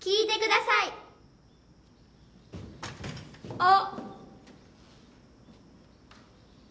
あっ。